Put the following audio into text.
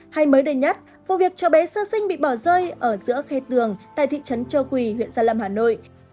hay mới đời nhất vụ việc trẻ bé sơ sinh bị bỏ rơi ở giữa khai tường tại thị trấn châu quỳ huyện gia lâm hà nội